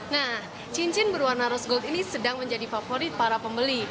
nah cincin berwarna rose gold ini sedang menjadi favorit para pembeli